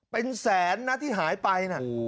เป็นแสนนะที่หายไปนะ